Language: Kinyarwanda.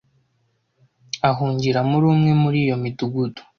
ahungira muri umwe muri iyo midugudu